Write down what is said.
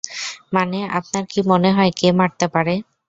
মানে, আপনার কি মনে হয়, কে মারতে পারে?